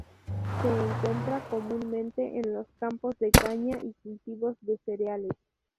Se encuentra comúnmente en los campos de caña y cultivos de cereales.